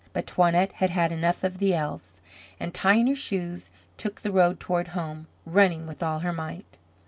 But Toinette had had enough of the elves, and, tying her shoes, took the road toward home, running with all her might.